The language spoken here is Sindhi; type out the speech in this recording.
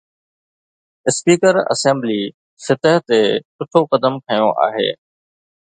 اسپيڪر اسيمبلي سطح تي سٺو قدم کنيو آهي.